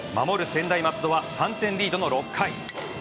専大松戸は３点リードの６回。